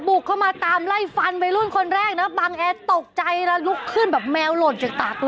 บุกเข้ามาตามไล่ฟันวัยรุ่นคนแรกนะบังแอร์ตกใจแล้วลุกขึ้นแบบแมวหล่นจากตากตัว